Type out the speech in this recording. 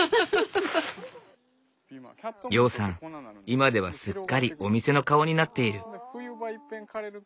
今ではすっかりお店の顔になっている。